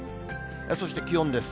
そして気温です。